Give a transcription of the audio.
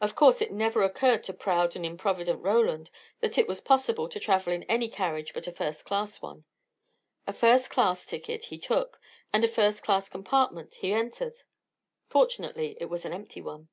Of course it never occurred to proud and improvident Roland that it was possible to travel in any carriage but a first class one. A first class ticket he took, and a first class compartment he entered. Fortunately it was an empty one.